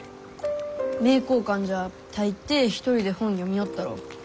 名教館じゃ大抵一人で本読みよったろ。